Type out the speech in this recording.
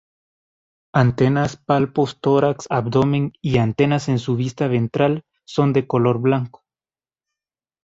Antenas, palpos, tórax, abdomen, y antenas en su vista ventral son de color blanco.